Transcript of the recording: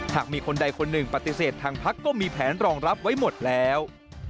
หากมีคนใดคนหนึ่งปฏิเสธทางพักก็มีแผนรองรับไว้หมดแล้ว